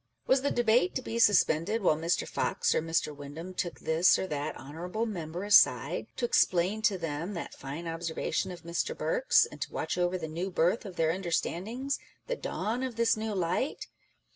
Was the debate to be suspended while Mr. Fox or Mr. Windham took this or that Honourable Member aside, to explain to them that fine observation of Mr. Burke's, and to watch over the new birth of their understandings, the dawn of this new light